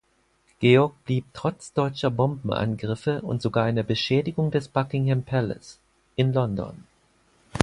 Georg blieb trotz deutscher Bombenangriffe und sogar einer Beschädigung des Buckingham Palace, in London.